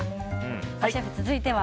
シェフ、続いては？